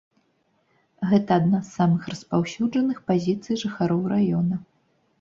Гэта адна з самых распаўсюджаных пазіцый жыхароў раёна.